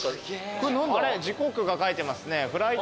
時刻が書いてますね。